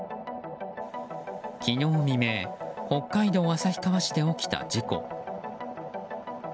昨日未明北海道旭川市で起きた事故。